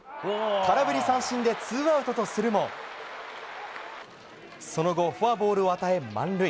空振り三振でツーアウトとするもその後、フォアボールを与え満塁。